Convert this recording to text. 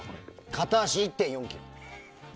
片足１．４ｋｇ。